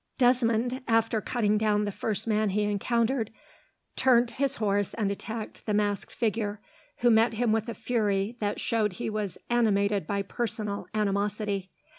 Desmond, after cutting down the first man he encountered, turned his horse and attacked the masked figure, who met him with a fury that showed he was animated by personal animosity.